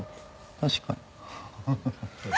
確かに。